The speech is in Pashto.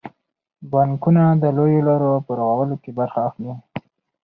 بانکونه د لویو لارو په رغولو کې برخه اخلي.